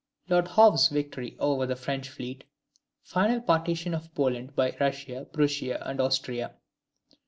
Lord Howe's victory over the French fleet. Final partition of Poland by Russia, Prussia, and Austria.